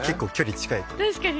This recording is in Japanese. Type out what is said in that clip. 確かに。